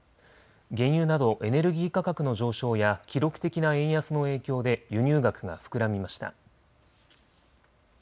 原油などエネルギー価格の上昇や記録的な円安の影響で輸入額が膨らみました。